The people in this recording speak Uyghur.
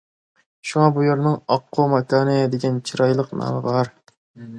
شۇڭا بۇ يەرنىڭ‹‹ ئاققۇ ماكانى›› دېگەن چىرايلىق نامى بار.